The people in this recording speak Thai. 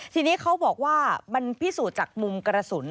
ทีนี้เขาบอกว่ามันพิสูจน์จากมุมกระสุน